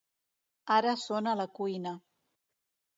Ara són a la cuina.